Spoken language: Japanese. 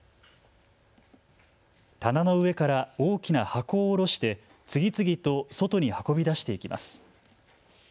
棚の上から大きな箱をおろして次々と外に運び出していきます。